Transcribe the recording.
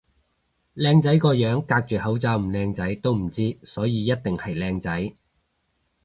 靚仔個樣隔住口罩唔靚仔都唔知，所以一定係靚仔